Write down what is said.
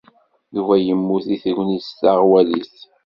Yuba yemmut deg tegnit taɣwalit.